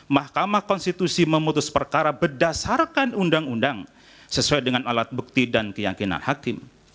mahkamah konstitusi memutus perkara berdasarkan undang undang sesuai dengan alat bukti dan keyakinan hakim